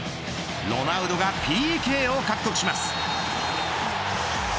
ロナウドがＰＫを獲得します。